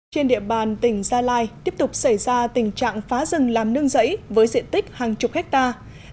trên địa bàn tỉnh gia lai tiếp tục xảy ra tình trạng phá rừng làm nương giấy với diện tích hàng chục hectare